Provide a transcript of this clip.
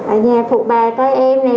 ở nhà phụ bà coi em nè